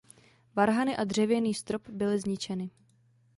Varhany a dřevěný strop byly zničeny.